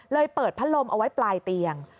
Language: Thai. เปิดพัดลมเอาไว้ปลายเตียง